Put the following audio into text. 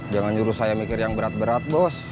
jangan jurus saya mikir yang berat berat bos